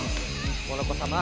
モノコさま。